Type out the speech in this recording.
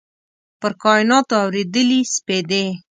پر کایناتو اوريدلي سپیدې